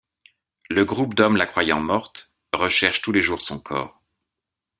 Le groupe d'hommes la croyant morte, recherche tous les jours son corps.